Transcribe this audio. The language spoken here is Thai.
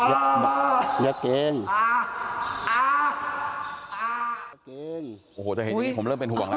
โอ้โหเจ้าเห็นอนนี้ผมเริ่มเป็นห่วงแล้ว